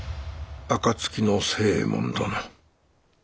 暁の星右衛門殿」。